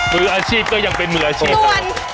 มืออาชีพก็ยังเป็นมืออาชีพนะ